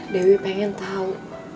dewi pengen tau